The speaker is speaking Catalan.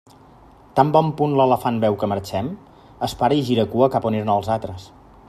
Tan bon punt l'elefant veu que marxem, es para i gira cua cap a on eren els altres.